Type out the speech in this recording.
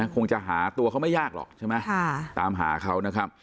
คงจะหาตัวเขาไม่ยากหรอกใช่ไหมตามหาเขานะครับ